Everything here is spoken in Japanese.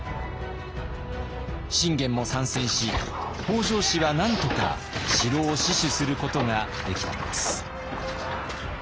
信玄も参戦し北条氏はなんとか城を死守することができたのです。